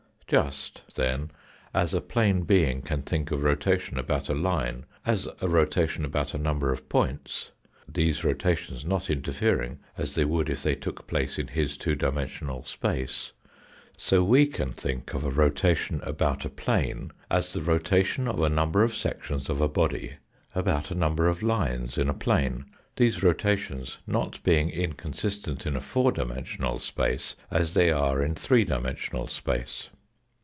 Just, then, as a plane being can think of rotation about a line as a rotation about a number of points, these rotations not interfering as they would if they took place in his two (Ijrnensjonal space, so we can think of a rotation about a 70 THE FOURTH DIMENSION plane as the rotation of a number of sections of a body about a number of lines in a plane, these rotations not being inconsistent in a four dimensional space as they are in three dimensional space.